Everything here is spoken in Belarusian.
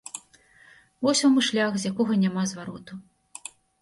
Вось вам і шлях, з якога няма звароту.